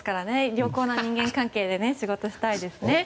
良好な人間関係で仕事をしたいですね。